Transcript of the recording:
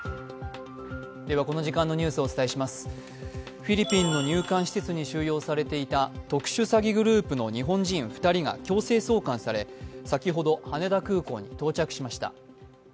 フィリピンの入管施設に収容されていた特殊詐欺グループの日本人２人が強制送還され先ほど羽田空港に到着しました。